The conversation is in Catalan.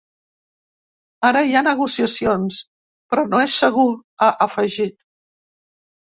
Ara hi ha negociacions, però no és segur, ha afegit.